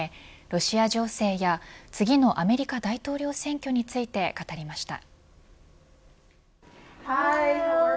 ロシア情勢や、次のアメリカ大統領選挙について語りました。